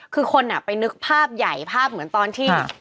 คือคนไปนึกภาพใหญ่ภาพเหมือนตอนที่